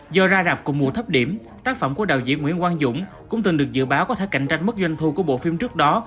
do ra rạp cùng mùa thấp điểm tác phẩm của đạo diễn nguyễn quang dũng cũng từng được dự báo có thể cạnh tranh mức doanh thu của bộ phim trước đó